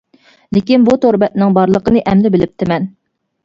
لېكىن بۇ تور بەتنىڭ بارلىقىنى ئەمدى بىلىپتىمەن.